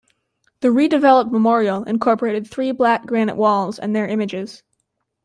The redeveloped memorial incorporated three black granite walls and their images.